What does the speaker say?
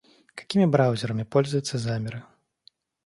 Какими браузерами пользуются замеры?